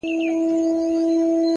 هوښیار انتخاب راتلونکې ستونزې کموي!.